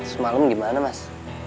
semalam gimana mas